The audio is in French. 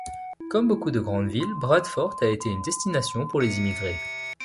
Comme beaucoup de grandes villes, Bradford a été une destination pour les immigrés.